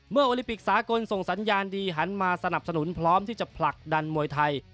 โอลิปิกสากลส่งสัญญาณดีหันมาสนับสนุนพร้อมที่จะผลักดันมวยไทย